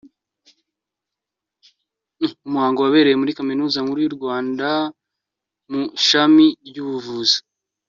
Umuhango wabereye muri Kaminuza Nkuru y’u Rwanda mu Ishami ry’Ubuvuzi.